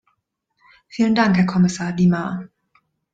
Vielen Dank Herr Kommissar Dimas.